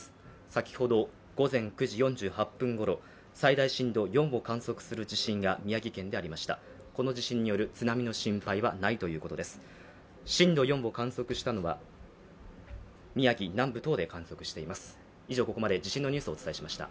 先ほど午前９時４８分ごろ最大震度４を観測する地震が宮城県でありました。